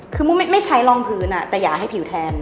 คือไม่ใช้รองพื้นแต่อย่าให้ผิวแทน